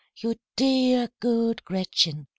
"You dear, good Gretchen!